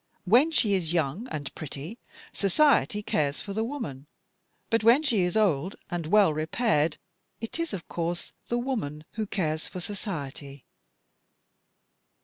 When she is young and pretty, society cares for the woman, but when she is old and — well — repaired, it is of course she who cares for society."